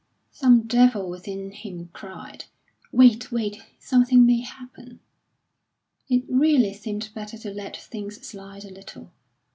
Some devil within him cried, "Wait, wait! Something may happen!" It really seemed better to let things slide a little.